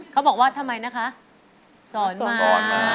เขาบอกว่าทำไมนะคะสอนมา